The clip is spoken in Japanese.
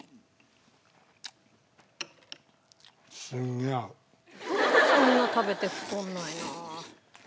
よくそんな食べて太らないなあ。